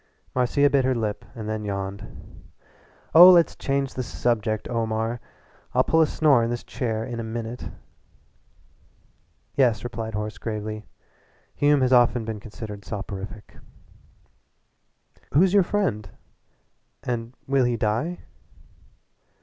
Marcia bit her lip and then yawned. "Oh, let's change the subject, Omar. I'll pull a snore in this chair in a minute." "Yes," replied Horace gravely, "Hume has often been considered soporific " "Who's your friend and will he die?"